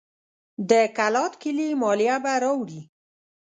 د کلات کلي مالیه به راوړي.